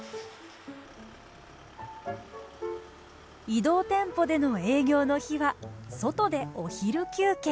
移動店舗での営業の日は外でお昼休憩。